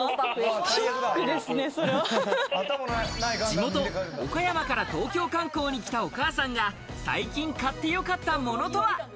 地元岡山から東京観光に来たお母さんが最近買ってよかったものとは？